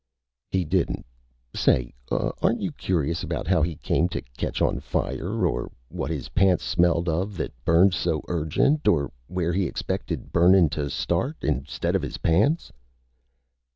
"He didn't. Say aren't you curious about how he came to catch on fire? Or what his pants smelled of that burned so urgent? Or where he expected burnin' to start instead of his pants?"